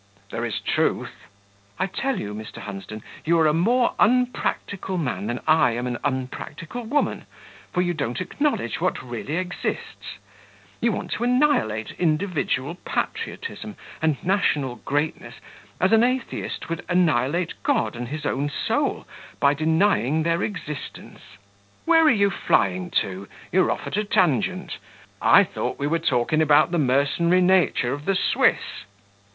"There is truth." "I tell you, Mr. Hunsden, you are a more unpractical man than I am an unpractical woman, for you don't acknowledge what really exists; you want to annihilate individual patriotism and national greatness as an atheist would annihilate God and his own soul, by denying their existence." "Where are you flying to? You are off at a tangent I thought we were talking about the mercenary nature of the Swiss."